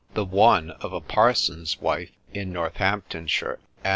The one of a parson's wife in Northamptonshire, _An.